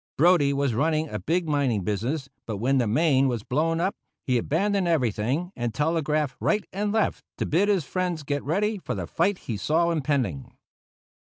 Brodie was running a big mining business; but when the Maine was blown up, he abandoned everything and telegraphed right and left to bid his friends get ready for the fight he saw impending.